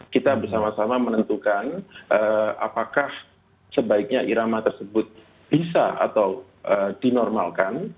kita bersama sama menentukan apakah sebaiknya irama tersebut bisa atau dinormalkan